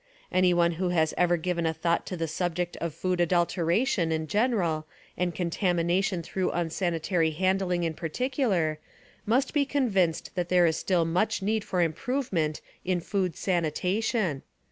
Anyone who has ever given a thought to the subject of food adulteration in general, and contamination through unsanitary handling in particular, must be convinced that there is still much need for improvement in food sanitation.